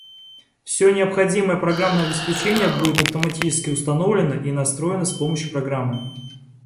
Все необходимое программное обеспечение будет автоматически установлено и настроено с помощью программы